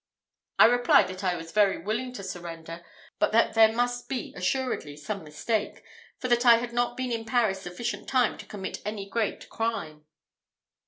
I replied that I was very willing to surrender, but that there must be assuredly some mistake, for that I had not been in Paris sufficient time to commit any great crime.